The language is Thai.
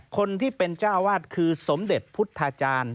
คนที่เป็นเจ้าวาดคือสมเด็จพุทธาจารย์